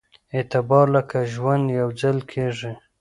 اعتبار لکه ژوند يوځل کېږي